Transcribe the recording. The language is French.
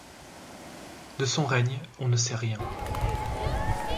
De son règne, on ne sait rien.